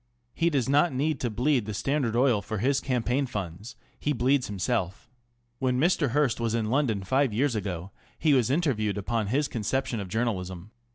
He does not need to bleed the Standard Oil for his campaign funds; he bleeds himself. When Mr. Hearst was in London five years ago he was interviewed upon his conception of journalism.